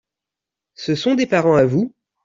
Ce sont des parents à vous ?